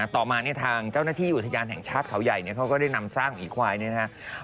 ต่อมาเนี่ยทางเจ้าหน้าที่อุทยานแห่งชาติเขาใหญ่เขาก็ได้นำซากหีควายเนี่ยนะครับ